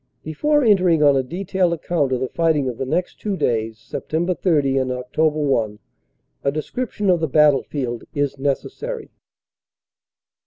Before entering on a detailed account of the fighting of the next two days Sept. 30 and Oct. 1 a description of the battlefield is necessary.